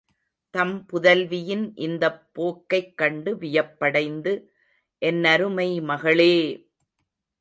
தம் புதல்வியின் இந்தப் போக்கைக் கண்டு வியப்படைந்து, என்னருமை மகளே!